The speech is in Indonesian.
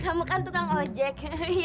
kamu kan tukang ojek